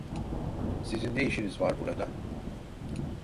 Sizin ne işiniz var burada?